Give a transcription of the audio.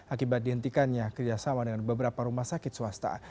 akibat dihentikannya kerjasama dengan beberapa rumah sakit swasta